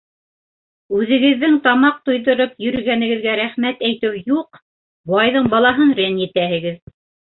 Үҙегеҙҙең тамаҡ туйҙырып йөрөгәнегеҙгә рәхмәт әйтеү юҡ, байҙың балаһын рәнйетәһегеҙ.